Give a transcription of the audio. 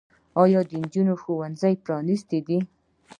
آیا د نجونو ښوونځي پرانیستي دي؟